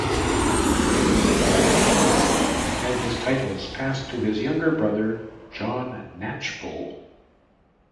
Brabourne died unmarried, and his titles passed to his younger brother, John Knatchbull.